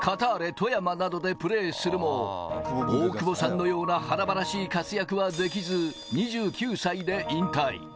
富山などでプレーするも、大久保さんのような華々しい活躍はできず、２９歳で引退。